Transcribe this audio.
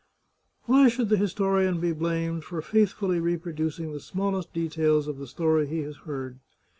Why should the historian be blamed for faithfully re producing the smallest details of the story he has heard?